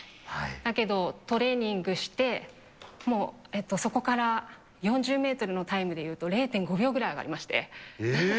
だけどトレーニングして、もうそこから４０メートルのタイムで言うと、０．５秒ぐらい上がえー？